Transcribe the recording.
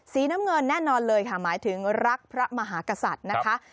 สีน้ำเงินแน่นอนเลยค่ะหมายถึงรักพระมหากษัตริย์นะคะ